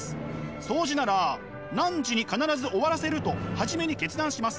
そうじなら「何時に必ず終わらせる」と初めに決断します。